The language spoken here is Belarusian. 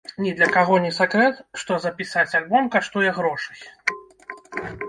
Ні для каго не сакрэт, што запісаць альбом каштуе грошай.